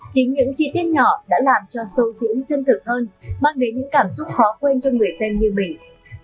chính những chi tiết nhỏ đã làm cho sâu diễn chân thực hơn mang đến những cảm xúc khó quên cho người xem như mình